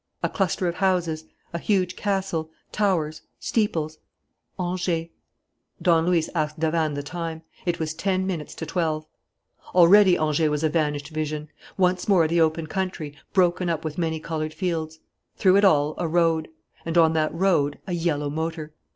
A cluster of houses, a huge castle, towers, steeples: Angers.... Don Luis asked Davanne the time. It was ten minutes to twelve. Already Angers was a vanished vision. Once more the open country, broken up with many coloured fields. Through it all, a road. And, on that road, a yellow motor.